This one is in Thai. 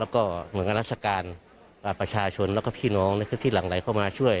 แล้วก็เหมือนกับราชการประชาชนแล้วก็พี่น้องที่หลั่งไหลเข้ามาช่วย